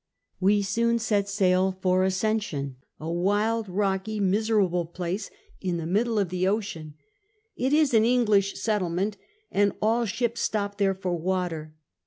"We soon set sail for Ascension, a wild, rocky, miserable place in the middle of the SKETCHES OF TRAVEL ocean. It is an English settlement, and all ships stop there for water.